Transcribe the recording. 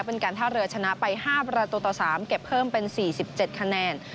เป็นการท่าเรือชนะไปห้าประตูต่อสามเก็บเพิ่มเป็นสี่สิบเจ็ดคะแนน